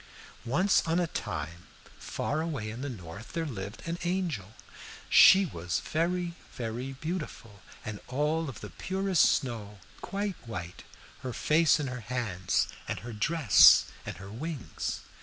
"Once on a time, far away in the north, there lived an angel. She was very, very beautiful, and all of the purest snow, quite white, her face and her hands and her dress and her wings.